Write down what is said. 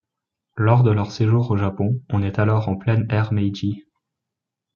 Lors de leur séjour au Japon, on est alors en pleine ère Meiji.